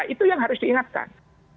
itu yang harus diingatkan